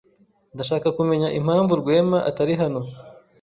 Ndashaka kumenya impamvu Rwema atari hano.